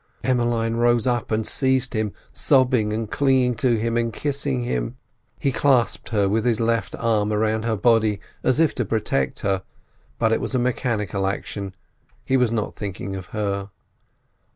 Emmeline rose up and seized him, sobbing and clinging to him, and kissing him. He clasped her with his left arm round her body, as if to protect her, but it was a mechanical action. He was not thinking of her.